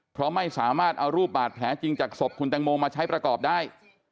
เพราะไม่สามารถเอารูปบาดแผลจริงจากศพคุณแตงโมมาใช้ประกอบได้